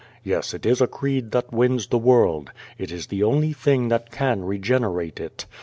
Yes, it is a creed that wins the world. It is the only thing that can regenerate it.